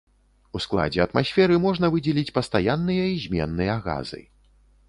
У складзе атмасферы можна выдзеліць пастаянныя і зменныя газы.